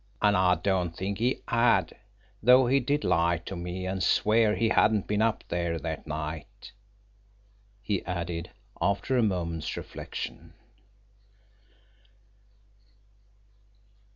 And I don't think he had, though he did lie to me and swear he hadn't been up there that night," he added after a moment's reflection.